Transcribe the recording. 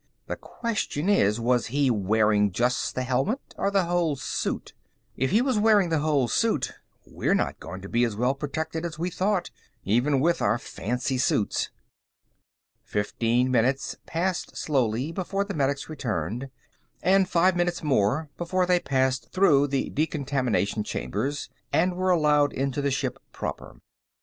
"The question is: was he wearing just the helmet, or the whole suit? If he was wearing the whole suit, we're not going to be as well protected as we thought, even with our fancy suits." Fifteen minutes passed slowly before the medics returned, and five minutes more before they had passed through the decontamination chambers and were allowed into the ship proper.